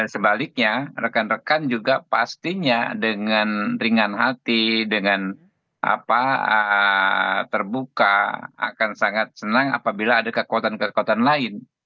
sebaliknya rekan rekan juga pastinya dengan ringan hati dengan terbuka akan sangat senang apabila ada kekuatan kekuatan lain